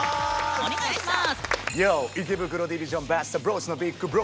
お願いします！